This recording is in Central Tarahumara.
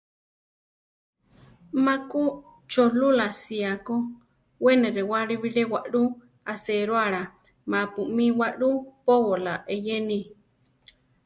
Má ku Cholula sía ko, we ne rewále bilé waʼlú aséroala ma-pu mí waʼlú póbola eyéne.